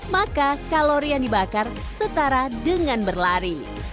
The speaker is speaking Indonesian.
maka kalori yang dibakar setara dengan berlari